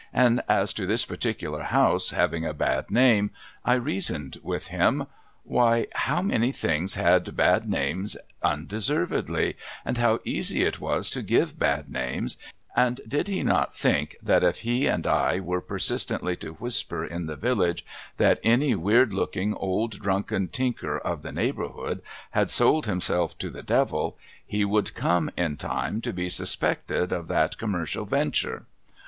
And as to this particular house having a bad name, I reasoned with him, Why, how many things had bad names undeservedly, and how easy it was to give had^iamcs, and did he not think that if he and I were persistently to whisper in the village that any weird looking, old drunken tinker of the neighboudiood had sold himself to the Devil, he would come in lime to be suspected of that commercial venture